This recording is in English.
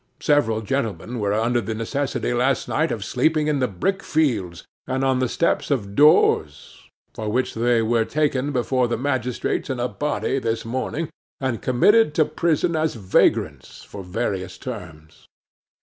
Several gentlemen were under the necessity last night of sleeping in the brick fields, and on the steps of doors, for which they were taken before the magistrates in a body this morning, and committed to prison as vagrants for various terms.